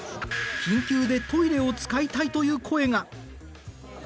緊急でトイレを使いたいという声が。